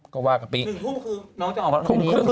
ก็ว่ากับปี๑ทุ่มครึ่ง